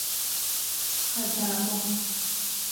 Сыкъэдаӏо!